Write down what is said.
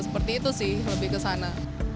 seperti itu sih lebih ke sana